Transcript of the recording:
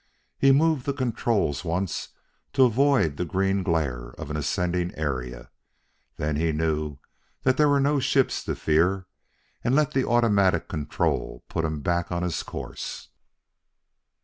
He moved the controls once to avoid the green glare of an ascending area, then he knew that there were no ships to fear, and let the automatic control put him back on his course.